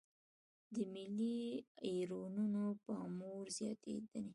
د ملي ايرونو پاموړ زياتېدنې.